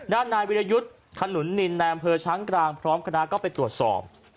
ด้านนายวิรยุทธ์ขนุนนินแนมเพอร์ชั้นกลางพร้อมคณะก็ไปตรวจสอบ